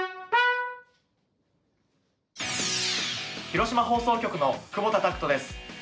広島放送局の久保田拓人です。